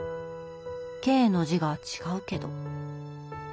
「系」の字が違うけど。